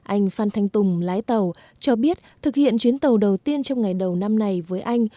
anh phan thanh tùng lái tàu cho biết thực hiện chuyến tàu đầu tiên trong ngày đầu năm này với anh